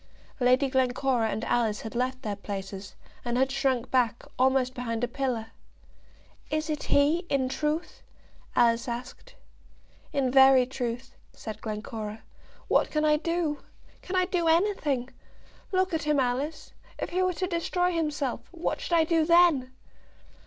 Lady Glencora and Alice had left their places, and had shrunk back, almost behind a pillar. "Is it he, in truth?" Alice asked. "In very truth," said Glencora. "What can I do? Can I do anything? Look at him, Alice. If he were to destroy himself, what should I do then?"